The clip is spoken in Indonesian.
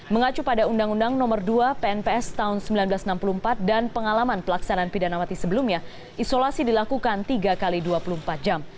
mengacu pada undang undang nomor dua pnps tahun seribu sembilan ratus enam puluh empat dan pengalaman pelaksanaan pidana mati sebelumnya isolasi dilakukan tiga x dua puluh empat jam